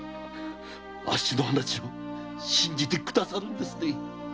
あっしの話を信じてくださるんですね。